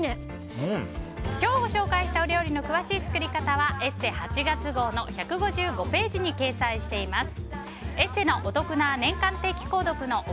今日ご紹介したお料理の詳しい作り方は「ＥＳＳＥ」８月号１５５ページに掲載しています。